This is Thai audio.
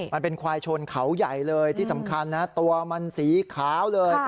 มันเป็นควายชนเขาใหญ่เลยที่สำคัญนะตัวมันสีขาวเลย